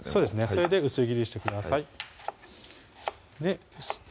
それで薄切りしてください